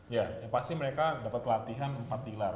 ya pasti mereka dapat latihan empat pilar